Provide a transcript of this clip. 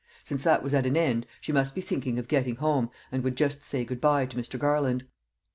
Since that was at an end she must be thinking of getting home, and would just say good bye to Mr. Garland.